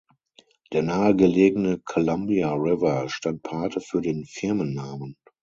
Der nahe gelegene Columbia River stand Pate für den Firmennamen.